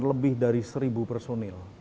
lebih dari seribu personil